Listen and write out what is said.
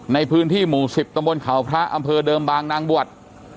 ในพื้นที่หมู่๑๐ตำบลเขาพระอำเภอเดิมบางนางบวช